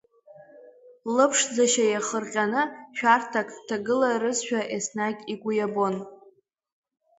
Лыԥшӡашьа иахырҟьаны, шәарҭак дҭагыларызшәа еснагь игәы иабон.